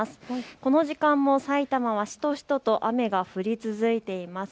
この時間もさいたまはしとしとと雨が降り続いています。